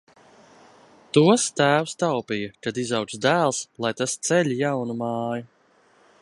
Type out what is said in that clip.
Tos tēvs taupīja, kad izaugs dēls, lai tas ceļ jaunu māju.